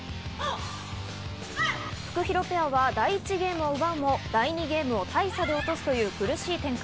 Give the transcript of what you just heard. フクヒロペアは第１ゲームを奪うも、第２ゲームを大差で落とすという苦しい展開。